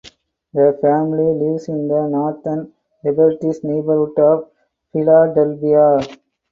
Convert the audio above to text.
The family lives in the Northern Liberties neighborhood of Philadelphia.